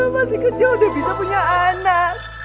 masih kecil udah bisa punya anak